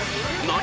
何！